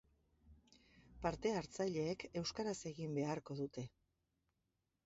Parte hartzaileek euskaraz egin beharko dute.